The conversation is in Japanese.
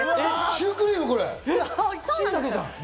シュークリーム？